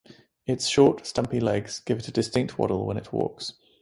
Its short stumpy legs give it a distinct waddle when it walks.